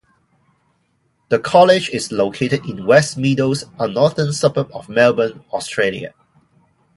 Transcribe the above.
The college is located in Westmeadows a northwestern suburb of Melbourne, Australia.